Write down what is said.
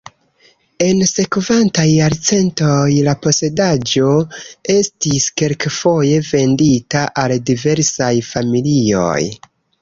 En sekvantaj jarcentoj la posedaĵo estis kelkfoje vendita al diversaj familioj.